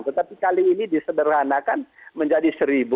tetapi kali ini disederhanakan menjadi seribu